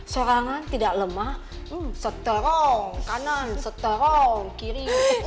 seorangan tidak lemah seterong kanan seterong kiri kanan